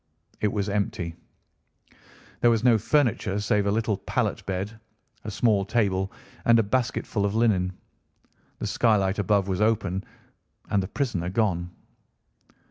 It was empty. There was no furniture save a little pallet bed, a small table, and a basketful of linen. The skylight above was open, and the prisoner gone.